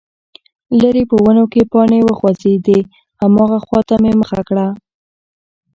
ليرې په ونو کې پاڼې وخوځېدې، هماغې خواته مې مخه کړه،